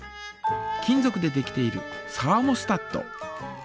金ぞくでできているサーモスタット。